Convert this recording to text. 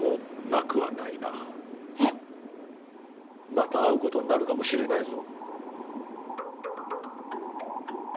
また会うことになるかもしれないぞ。